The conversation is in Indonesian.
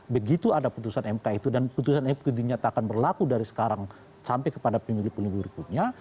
begitu ada putusan mk itu dan putusan itu ternyata akan berlaku dari sekarang sampai kepada pemilik pemilik berikutnya